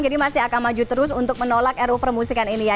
jadi masih akan maju terus untuk menolak ruu permusikan ini ya